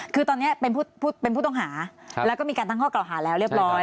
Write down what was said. คือตอนนี้เป็นผู้ต้องหาแล้วก็มีการตั้งข้อกล่าวหาแล้วเรียบร้อย